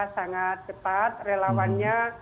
sangat cepat relawannya